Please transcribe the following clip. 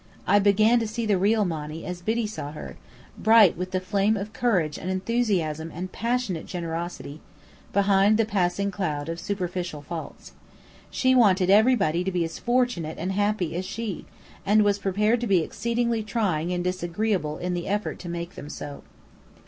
I began to see the real Monny as Biddy saw her, bright with the flame of courage and enthusiasm and passionate generosity, behind the passing cloud of superficial faults. She wanted everybody to be as fortunate and happy as she, and was prepared to be exceedingly trying and disagreeable in the effort to make them so.